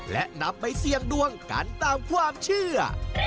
และนำไปเสี่ยงดวงกันตามความเชื่อ